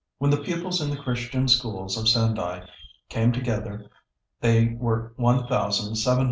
When the pupils in the Christian schools of Sendai came together they were one thousand seven hundred strong.